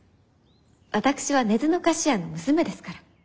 私は根津の菓子屋の娘ですから。